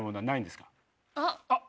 あっ。